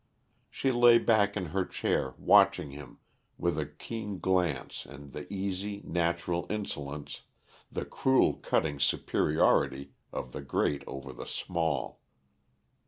She lay back in her chair watching him with a keen glance and the easy, natural insolence, the cruel cutting superiority of the great over the small.